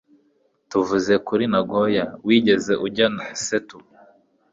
Tuvuze kuri Nagoya, wigeze ujya Seto?